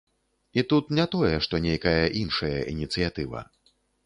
І тут не тое, што нейкая нашая ініцыятыва.